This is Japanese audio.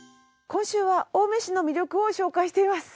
今週は青梅市の魅力を紹介しています。